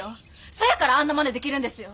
そやからあんなまねできるんですよ！